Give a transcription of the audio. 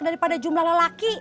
daripada jumlah lelaki